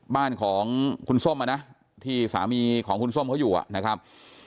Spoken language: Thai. บ้านของคุณส้มอ่ะนะที่สามีของคุณส้มเขาอยู่นะครับ